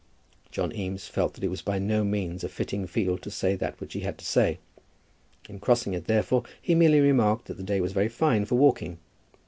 John Eames felt that it was by no means a fitting field to say that which he had to say. In crossing it, therefore, he merely remarked that the day was very fine for walking.